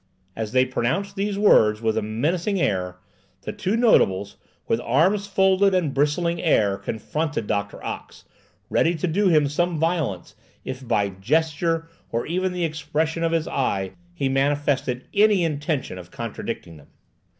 As they pronounced these words with a menacing air, the two notables, with folded arms and bristling air, confronted Doctor Ox, ready to do him some violence, if by a gesture, or even the expression of his eye, he manifested any intention of contradicting them.